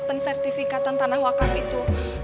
pensertifikatan tanah wakaf itu